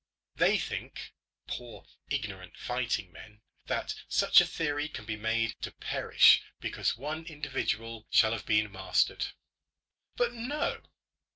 They think, poor ignorant fighting men, that such a theory can be made to perish because one individual shall have been mastered. But no!